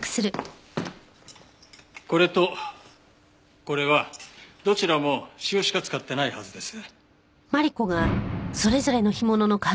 これとこれはどちらも塩しか使ってないはずです。